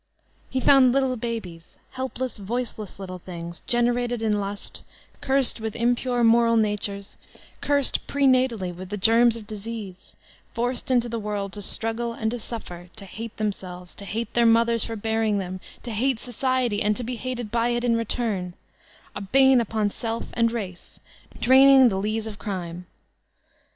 He found little babies, helpless, voiceless little things, generated in lost, cursed with inqmre moral natures, cursed, prena 344 VOLTAIBINB DB ClBYUB taDy, with the genns of disease, forced into the worid to straggle and to suffer, to hate themsehres, to hate their mothers for bearing thenit to hate society and to be hated by it in return, — a bane upon self and race, drainiqg the lees of crime.